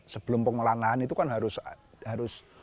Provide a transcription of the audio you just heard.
sebelum pengolahan lahan itu kan harus